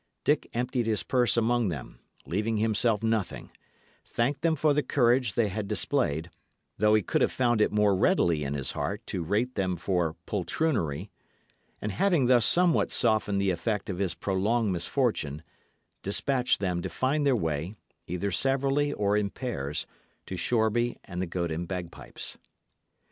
Dick emptied his purse among them, leaving himself nothing; thanked them for the courage they had displayed, though he could have found it more readily in his heart to rate them for poltroonery; and having thus somewhat softened the effect of his prolonged misfortune, despatched them to find their way, either severally or in pairs, to Shoreby and the Goat and Bagpipes.